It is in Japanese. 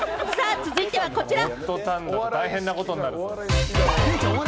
続いてはこちら。